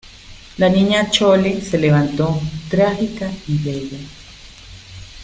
la Niña Chole se levantó trágica y bella: